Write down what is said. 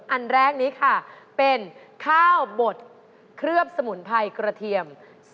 อันแรกนี้ค่ะเป็นข้าวบดเคลือบสมุนไพรกระเทียม